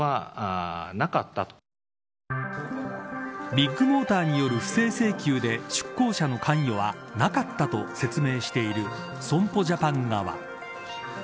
ビッグモーターによる不正請求で、出向者の関与はなかったと説明している損保ジャパン側。